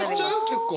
結構。